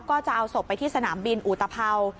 ก็จะเอาศพไปที่สนามบินอุตภัวร์